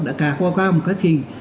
đã qua qua một quá trình